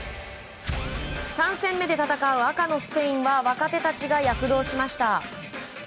３戦目で戦う赤のスペインは若手たちが躍動しました。